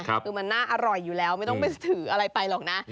คือมันน่าอร่อยอยู่แล้วไม่ต้องไปถืออะไรไปหรอกนะ